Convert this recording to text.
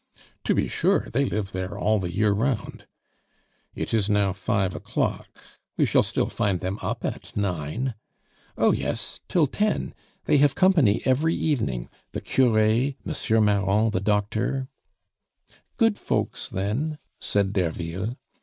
"To be sure; they live there all the year round." "It is now five o'clock. We shall still find them up at nine." "Oh yes, till ten. They have company every evening the cure, Monsieur Marron the doctor " "Good folks then?" said Derville.